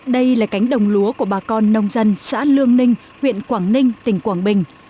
đây là cánh đồng lúa của bà con nông dân xã lương ninh huyện quảng ninh tỉnh quảng bình